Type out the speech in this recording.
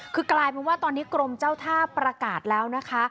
คือกลายเป็นว่าตอนนี้กรมเจ้าท่าประกาศแล้วนะคะ